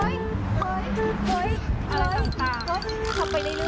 เยอะไปหรอ